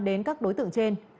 đến các đối tượng trên